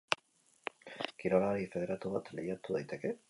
Kirolari federatu bat lehiatu daiteke?